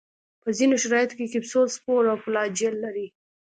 په ځینو شرایطو کې کپسول، سپور او فلاجیل لري.